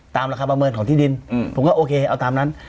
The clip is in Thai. ราคาประเมินของที่ดินผมก็โอเคเอาตามนั้น